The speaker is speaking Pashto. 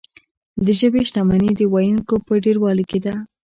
د ژبې شتمني د ویونکو په ډیروالي کې ده.